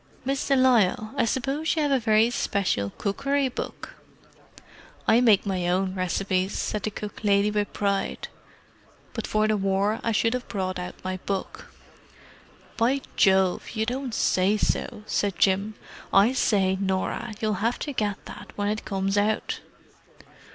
"Miss de Lisle, I suppose you have a very special cookery book?" "I make my own recipes," said the cook lady with pride. "But for the war I should have brought out my book." "By Jove, you don't say so!" said Jim. "I say, Norah, you'll have to get that when it comes out."